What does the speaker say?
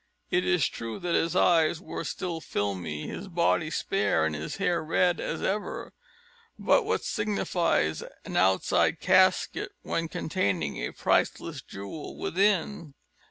It is true that his eyes were still filmy, his body spare, and his hair as red as ever; but what signifies an outside casket when containing a priceless jewel within?